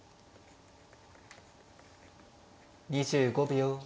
２５秒。